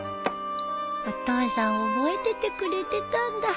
お父さん覚えててくれてたんだ